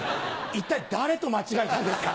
一体誰と間違えたんですか？